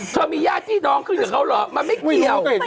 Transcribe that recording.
เธอมีญาติพี่น้องขึ้นกับเขาเหรอมันไม่เกี่ยว